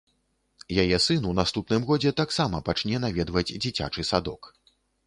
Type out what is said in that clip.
Яе сын у наступным годзе таксама пачне наведваць дзіцячы садок.